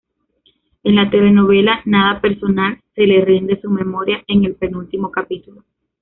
En la telenovela "Nada personal" se le rinde su memoria en el penúltimo capítulo.